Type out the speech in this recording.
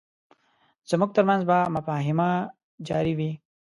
زموږ ترمنځ به مفاهمه جاري وي.